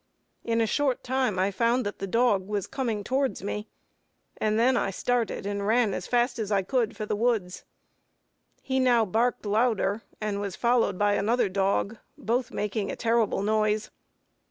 In a short time I found that the dog was coming towards me, and I then started and ran as fast as I could for the woods. He now barked louder, and was followed by another dog, both making a terrible noise.